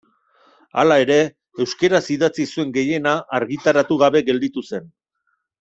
Hala ere, euskaraz idatzi zuen gehiena argitaratu gabe gelditu zen.